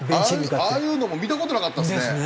ああいうのも見た事なかったですね。